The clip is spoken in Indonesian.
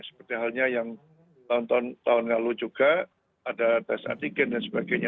seperti halnya yang tahun tahun lalu juga ada tes antigen dan sebagainya